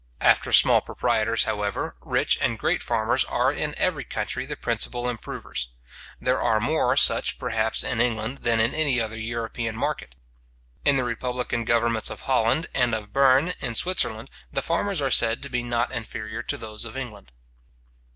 After small proprietors, however, rich and great farmers are in every country the principal improvers. There are more such, perhaps, in England than in any other European monarchy. In the republican governments of Holland, and of Berne in Switzerland, the farmers are said to be not inferior to those of England.